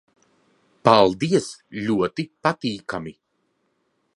Paldies. Ļoti patīkami...